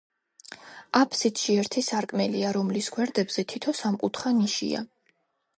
აფსიდში ერთი სარკმელია, რომლის გვერდებზე თითო სამკუთხა ნიშია.